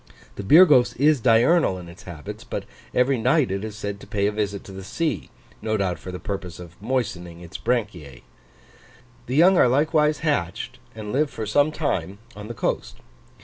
The Birgos is diurnal in its habits; but every night it is said to pay a visit to the sea, no doubt for the purpose of moistening its branchiae. The young are likewise hatched, and live for some time, on the coast.